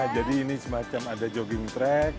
jadi ini semacam ada jogging track